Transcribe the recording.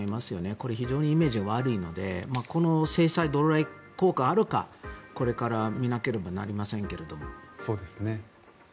これ、非常にイメージが悪いのでこの制裁がどれぐらい効果があるかこれから見なければいけませんけども。